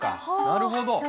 なるほど。